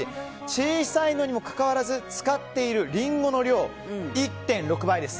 小さいのにもかかわらず使っているリンゴの量１．６倍です。